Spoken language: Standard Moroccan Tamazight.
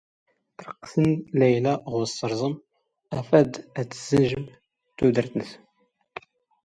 ⵜⵔⵇⵇⵙ ⵏⵏ ⵍⴰⵢⵍⴰ ⵖ ⵓⵙⵕⵥⵎ ⴼⴰⴷ ⴰⴷ ⵜⵙⵊⵊⵏⵊⵎ ⵜⵓⴷⵔⵜ ⵏⵏⵙ.